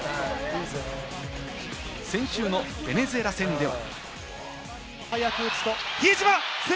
先週のベネズエラ戦では。